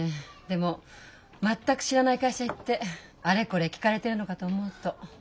でも全く知らない会社行ってあれこれ聞かれてるのかと思うと。